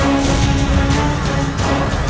tubuh banget ya